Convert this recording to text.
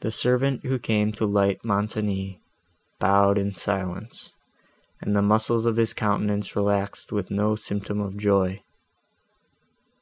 The servant, who came to light Montoni, bowed in silence, and the muscles of his countenance relaxed with no symptom of joy.